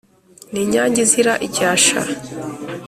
ni inyange izira icyasha